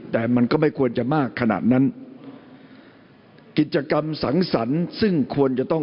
แต่มันก็ไม่ควรจะมากขนาดนั้นกิจกรรมสังสรรค์ซึ่งควรจะต้อง